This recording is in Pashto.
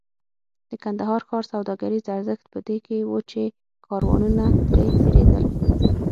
د کندهار ښار سوداګریز ارزښت په دې کې و چې کاروانونه ترې تېرېدل.